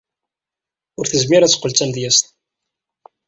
Ur tezmir ad teqqel d tamedyazt.